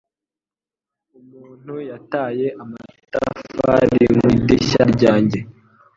Umuntu yataye amatafari mu idirishya ryanjye.